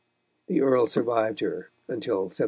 The Earl survived her until 1726.